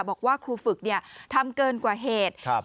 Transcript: บอกว่าครูฝึกทำเกินกว่าเหตุ